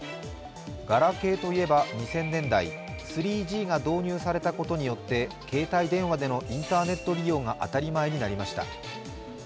ガラケーといえば２０００年代、３Ｇが導入されたことによって携帯電話でのインターネット利用が当たり前になりました。